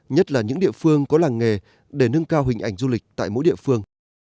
nhất là những địa phương có làng nghề để nâng cao hình ảnh du lịch tại mỗi địa phương